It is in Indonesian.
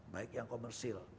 baik yang komersil